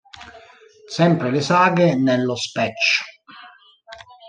Sempre le saghe, nello spec.